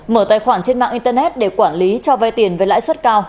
mở tài khoản trên mạng internet để quản lý cho vay tiền với lãi suất cao